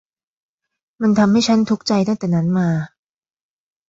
มันทำให้ฉันทุกข์ใจตั้งแต่นั้นมา